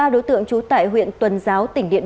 ba đối tượng trú tại huyện tuần giáo tỉnh điện biên